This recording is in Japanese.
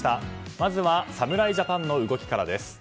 まずは侍ジャパンの動きからです。